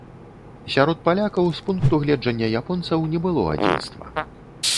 Сярод палякаў, з пункту гледжання японцаў, не было адзінства.